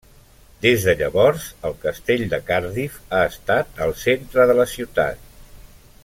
Des de llavors, el castell de Cardiff ha estat al centre de la ciutat.